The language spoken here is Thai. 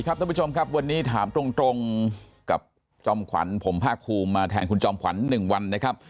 ท่านผู้ชมครับวันนี้ถามตรงกับจอมขวัญผมภาคภูมิมาแทนคุณจอมขวัญ๑วันนะครับ